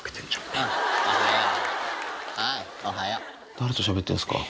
誰としゃべってんですか？